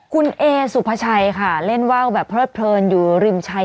คุณเอสุภาชัยค่ะเล่นว่าวแบบเพลิดเพลินอยู่ริมชัย